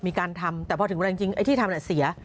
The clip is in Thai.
มีการทำแต่พอถึงแรงจริงไอ้ที่ทำเสีย